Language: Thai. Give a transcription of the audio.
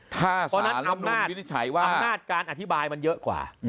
เพราะฉะนั้นอำนาจการอธิบายมันเยอะกว่า